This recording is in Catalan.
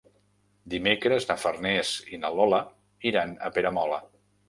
Dimecres na Farners i na Lola iran a Peramola.